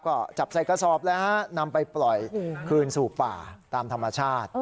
ก็จับใส่กระสอบแล้วฮะนำไปปล่อยคืนสู่ป่าตามธรรมชาติ